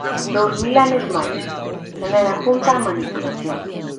'Dous mil anos máis' tamén apunta á manipulación.